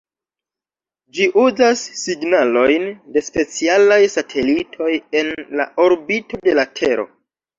Ĝi uzas signalojn de specialaj satelitoj en la orbito de la tero.